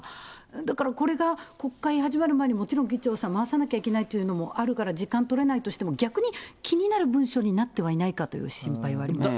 だから、これが国会始まる前に、もちろん議長さん、回さなきゃいけないというのもあるから時間取れないとしても、逆に気になる文書になってはいないかという心配はあります。